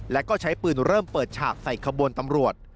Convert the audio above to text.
และก็ใช้ปืนเริ่มเปิดฉากใส่ขบวนตำรวจ